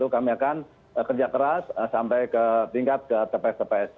kami akan kerja keras sampai ke tingkat ke tps tps